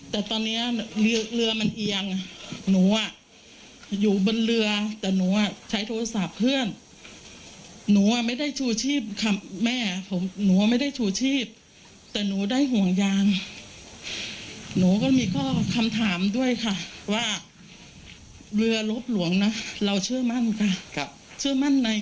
แต่ตอนนี้เรือเรือมันเอียงหนูอ่ะอยู่บนเรือแต่หนูอ่ะใช้โทรศัพท์เพื่อนหนูอ่ะไม่ได้ชูชีพค่ะแม่ผมหนูว่าไม่ได้ชูชีพแต่หนูได้ห่วงยางหนูก็มีข้อคำถามด้วยค่ะว่าเรือลบหลวงนะเราเชื่อมั่นค่ะเชื่อมั่นใน